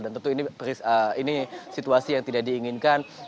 dan tentu ini situasi yang tidak diinginkan